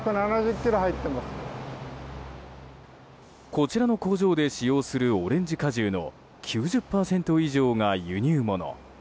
こちらの工場で使用するオレンジ果汁の９０％以上が輸入物。